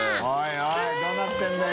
いどうなってるんだよ？